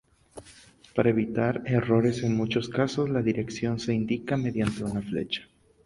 Para evitar errores, en muchos casos, la dirección se indica mediante una flecha.